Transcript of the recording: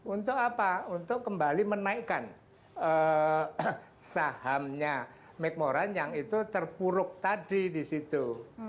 untuk apa untuk kembali menaikkan sahamnya mcmoran yang itu terpuruk tadi di situ